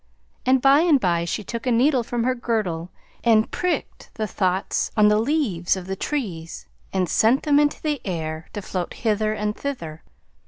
And by and by she took a needle from her girdle and pricked the thoughts on the leaves of the trees and sent them into the air to float hither and thither.